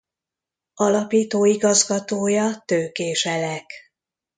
Alapító-igazgatója Tőkés Elek.